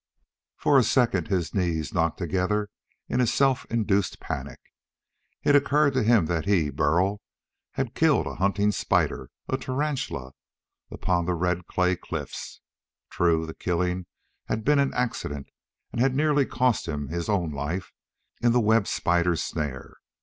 For a second, his knees knocked together in self induced panic. It occurred to him that he, Burl, had killed a hunting spider a tarantula upon the red clay cliff. True, the killing had been an accident and had nearly cost him his own life in the web spider's snare.